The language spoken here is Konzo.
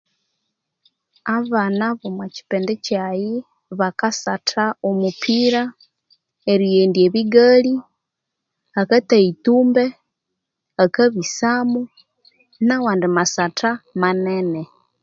Abana omwa kyipindi kyayi bakasatha omupira erighendya ebigali akatayitumbe akabisamu na wandi masatha manene